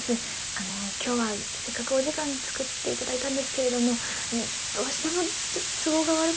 あの今日はせっかくお時間つくって頂いたんですけれどもどうしても都合が悪くなってしまって。